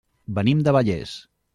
Venim de Vallés.